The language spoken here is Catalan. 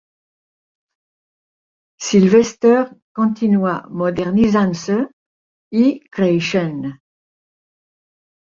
Sylvester continua modernitzant-se i creixent.